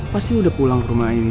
pasti udah pulang ke rumah ini